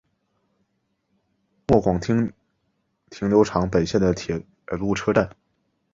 末广町停留场本线的铁路车站。